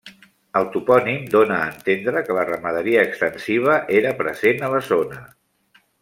El topònim dóna a entendre que la ramaderia extensiva era present a la zona.